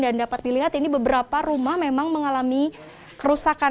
dapat dilihat ini beberapa rumah memang mengalami kerusakan